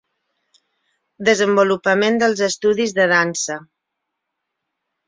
Desenvolupament dels estudis de Dansa.